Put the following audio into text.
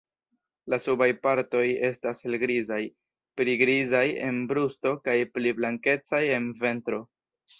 La subaj partoj estas helgrizaj, pli grizaj en brusto kaj pli blankecaj en ventro.